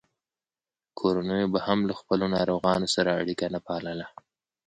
کورنیو به هم له خپلو ناروغانو سره اړیکه نه پاللـه.